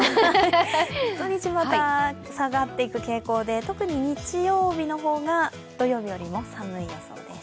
土・日、また下がっていく傾向で、特に日曜日の方が土曜日よりも寒い予想です。